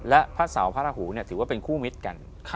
และพระเสาพระราหูถือว่าเป็นคู่มิตรกัน